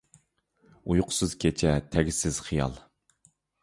ئۇيقۇسىز كېچە تەگسىز خىيال!